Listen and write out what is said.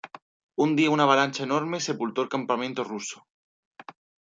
Un día una avalancha enorme sepultó el campamento ruso.